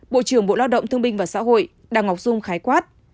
bộ trưởng bộ lao động thương binh và xã hội đào ngọc dung khái quát